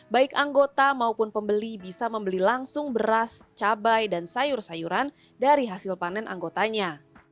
baik anggota maupun pembeli bisa membeli langsung beras cabai dan sayur sayuran dari hasil panen anggotanya